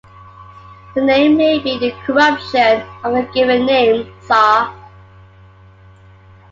The name may be a corruption of the given name Zar.